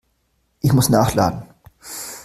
Ich muss nachladen.